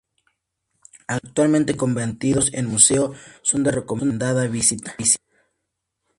Actualmente convertidos en museo, son de recomendada visita.